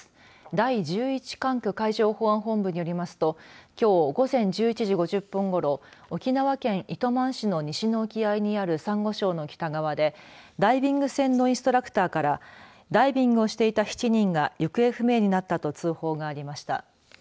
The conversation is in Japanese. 第１１管区海上保安本部によりますときょう午前１０時５０分ごろ沖縄県糸満市の西の沖合にあるサンゴ礁の北側でダイビング船のインストラクターからダイビングをしていた７人が行方不明になったと通報がありました。